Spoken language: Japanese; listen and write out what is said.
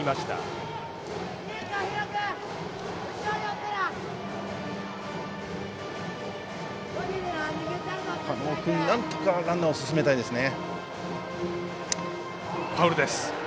狩野君、なんとかランナーを進めたいですね。